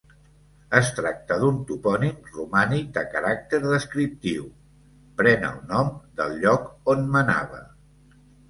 Es tracta d'un topònim romànic de caràcter descriptiu: pren el nom del lloc on menava.